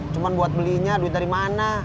cuma buat belinya duit dari mana